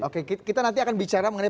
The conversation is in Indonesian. oke kita nanti akan bicara mengenai